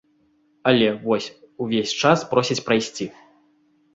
Але, вось, увесь час просяць прайсці.